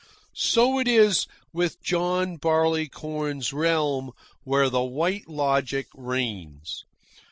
So it is with John Barleycorn's realm where the White Logic reigns.